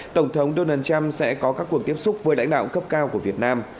tổng thống donald trump sẽ có các cuộc tiếp xúc với lãnh đạo cấp cao của việt nam